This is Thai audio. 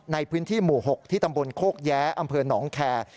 ในพื้นที่หมู่๖ที่ตำบลโคกแย้อำเภอหนองแคร์